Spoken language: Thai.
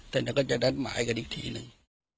แต่นะคะจัดหมายกันอีกทีนึง